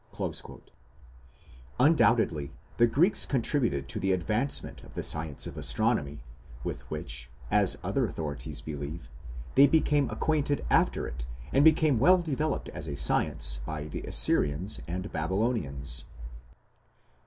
" Undoubtedly the Greeks contributed to the advancement of the science of astronomy, with which, as other authorities believe, they became acquainted after it had become well developed as a science by the Assyrians and Babylonians.